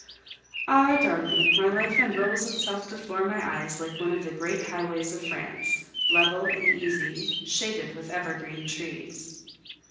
Ah! darling, my life unrolls itself before my eyes like one of the great highways of France, level and easy, shaded with evergreen trees.